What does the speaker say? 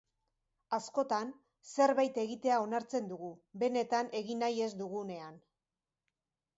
Askotan, zerbait egitea onartzen dugu, benetan egin nahi ez dugunean.